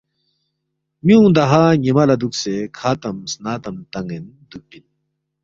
میونگ دہا نیما لا دوکسے کھاتم سنا تم تانین دوکپن۔